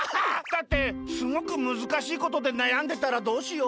だってすごくむずかしいことでなやんでたらどうしよう。